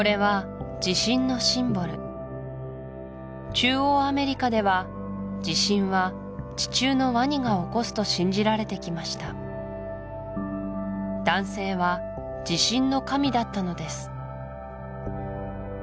中央アメリカでは地震は地中のワニが起こすと信じられてきました男性は地震の神だったのです